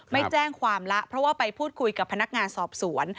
ไม่แจ้งความละเพราะว่าไปพูดคุยกับพนักงานสอบสวน